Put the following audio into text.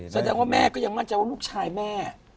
แสดงว่าแม่ก็ยังมั่นใจว่าลูกชายแม่